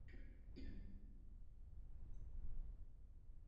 To je mnohem důležitější.